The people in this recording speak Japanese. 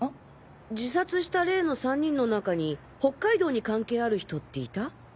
自殺した例の３人の中に北海道に関係ある人っていた？